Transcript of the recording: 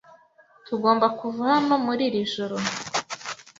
Tugomba kuva hano muri iri joro.